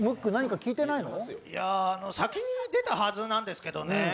いやぁ、先に出たはずなんですけどね。